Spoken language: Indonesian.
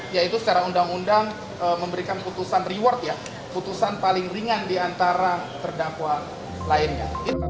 yaitu secara undang undang memberikan putusan reward ya putusan paling ringan diantara terdakwa lainnya